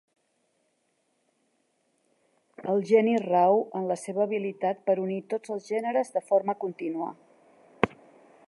El geni rau en la seva habilitat per unir tots els gèneres de forma contínua.